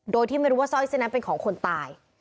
โดยที่ไม่รู้ว่าสร้อยเส้นนั้นเป็นของคนตาย